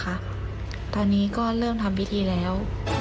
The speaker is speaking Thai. ตอนนี้ก็เริ่มทำพิธีแล้ว